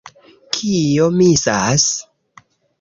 Kio misas?